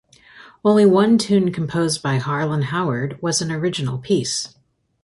Only one tune composed by Harlan Howard was an original piece.